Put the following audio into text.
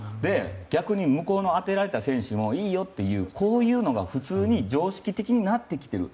逆に向こうの当てられた選手もいいよっていう、こういうのが普通に常識的になってきている。